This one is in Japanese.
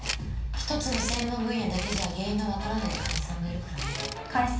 １つの専門分野だけじゃ原因の分からない患者さんもいるからね。